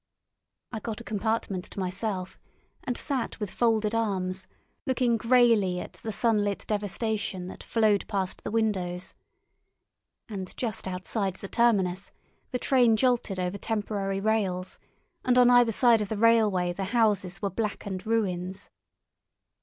I got a compartment to myself, and sat with folded arms, looking greyly at the sunlit devastation that flowed past the windows. And just outside the terminus the train jolted over temporary rails, and on either side of the railway the houses were blackened ruins.